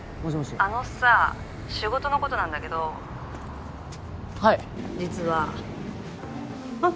あのさ☎仕事のことなんだけどはい実はあっ